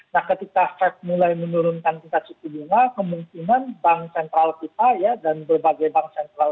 nah ketika fed mulai menurunkan tingkat suku bunga kemungkinan bank sentral kita ya dan berbagai bank sentral